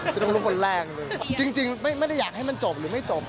คือต้องลุกคนแรกเลยจริงไม่ได้อยากให้มันจบหรือไม่จบ